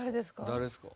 誰ですか？